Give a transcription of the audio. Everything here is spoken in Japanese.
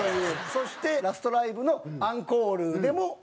そしてラストライブのアンコールでもこの曲で。